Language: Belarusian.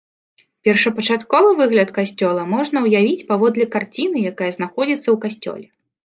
Першапачатковы выгляд касцёла можна ўявіць паводле карціны, якая знаходзіцца ў касцёле.